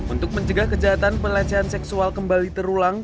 untuk mencegah kejahatan pelecehan seksual kembali terulang